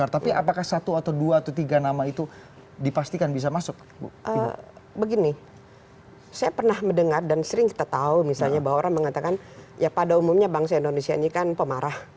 tapi tidak pas orang orangnya